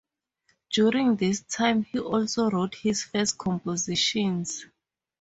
During this time he also wrote his first compositions.